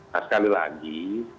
nah sekali lagi